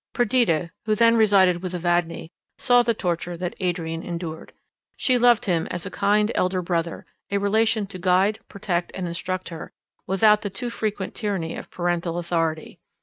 Perdita, who then resided with Evadne, saw the torture that Adrian endured. She loved him as a kind elder brother; a relation to guide, protect, and instruct her, without the too frequent tyranny of parental authority.